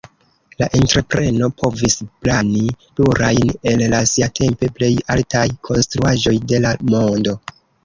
La entrepreno povis plani plurajn el la siatempe plej altaj konstruaĵoj de la mondo.